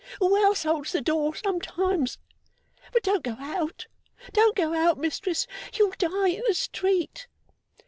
Who else holds the door sometimes? But don't go out don't go out! Mistress, you'll die in the street!